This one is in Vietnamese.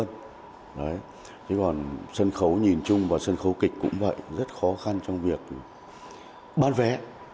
thế còn sân khấu nhìn chung và sân khấu kịch cũng vậy rất khó khăn trong việc bán vé